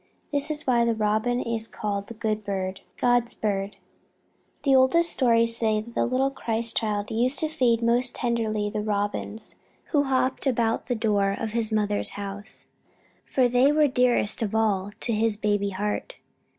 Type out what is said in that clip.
This is why the Robin is called the good bird, God's bird. The oldest stories say that the little Christ child used to feed most tenderly the Robins who hopped about the door of His mother's house, for they were dearest of all to His baby heart.